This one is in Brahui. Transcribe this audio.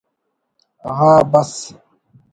غا بس